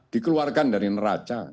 dikeluarkan dari neraca